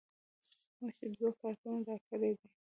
موږ ته دوه کارتونه راکړیدي